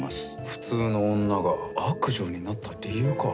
普通の女が悪女になった理由か。